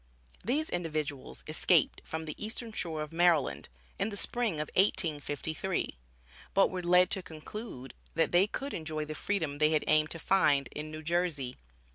These individuals escaped from the eastern shore of Maryland, in the Spring of 1853, but were led to conclude that they could enjoy the freedom they had aimed to find, in New Jersey.